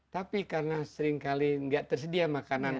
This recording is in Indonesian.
tapi karena seringkali nggak tersedia makanan